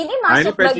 iya ini masih bagian